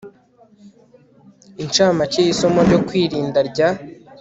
incamake y isomo ryo kwirinda rya